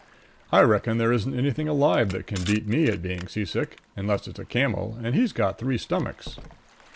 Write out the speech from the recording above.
I reckon there isn't anything alive that can beat me at being seasick, unless it's a camel, and he's got three stomachs.